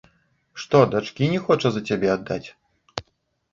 Што дачкі не хоча за цябе аддаць?